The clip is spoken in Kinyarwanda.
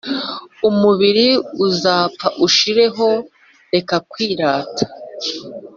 umubiri uzapfa ushireho reka kwirata